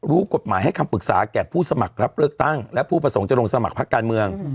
รู้กฎหมายให้คำปรึกษาแก่ผู้สมัครรับเลือกตั้งและผู้ประสงค์จะลงสมัครพักการเมือง